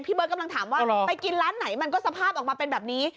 เบิร์ตกำลังถามว่าไปกินร้านไหนมันก็สภาพออกมาเป็นแบบนี้